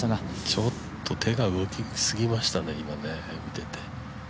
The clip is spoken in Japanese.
ちょっと手が動きすぎましたね。